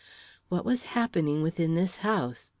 What was happening within this house?